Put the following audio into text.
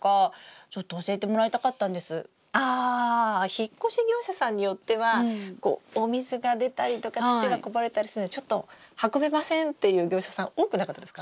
引っ越し業者さんによってはお水が出たりとか土がこぼれたりするのでちょっと運べませんっていう業者さん多くなかったですか？